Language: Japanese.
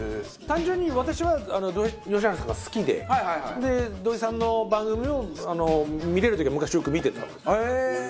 単純に私は土井善晴さんが好きで土井さんの番組を見れる時は昔よく見てたわけですよ。